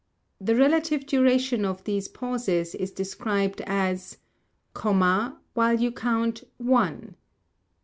The Relative Duration of these pauses is described as: Comma While you count One.